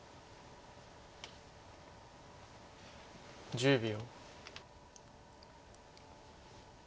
１０秒。